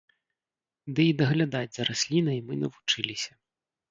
Ды і даглядаць за раслінай мы навучыліся.